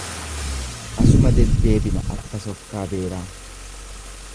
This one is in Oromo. Asuma deddeebina akka sokkaa beeraa.